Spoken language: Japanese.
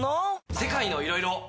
世界のいろいろ。